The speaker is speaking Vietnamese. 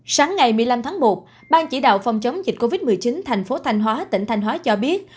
sáng ngày một mươi năm tháng một ban chỉ đạo phòng chống dịch covid một mươi chín thành phố thành hóa tỉnh thành hóa cho biết